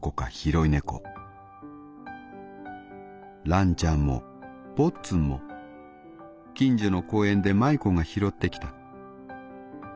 らんちゃんもぼっつんも近所の公園で舞子が拾ってきた。